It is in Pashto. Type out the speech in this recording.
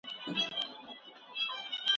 د لارښود استاد اساسي دنده یوازې لارښوونه ده.